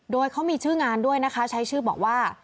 โดยเขามีชื่องานด้วยนะคะใช้ชื่อบอกว่า